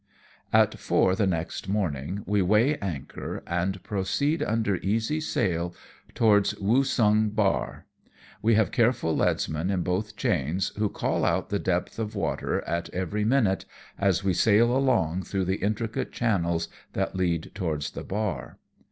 At four the next morning we weigh anchor, and pro ceed under easy sail towards Woosung bar. "We have careful leadsmen in both chains^ who call out the depth of water at every minute as we sail along through the intricate channels that lead towards the bar.